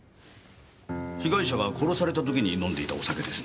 被害者が殺された時に飲んでいたお酒ですね。